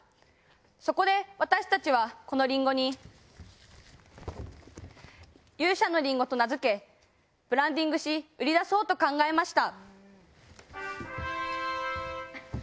そこで私たちはこのりんごに勇者のりんごと名付けブランディングし売り出そうと考えました。